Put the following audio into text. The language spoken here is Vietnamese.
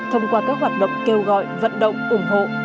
thông qua các hoạt động kêu gọi vận động ủng hộ